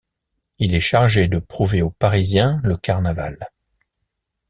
Il est chargé de prouver aux parisiens le carnaval.